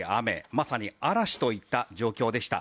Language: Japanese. まさに嵐といった状況でした。